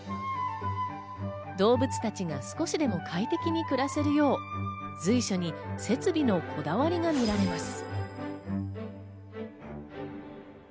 動物たちが少しでも快適に暮らせるよう、随所に設備のこだわりが見られます。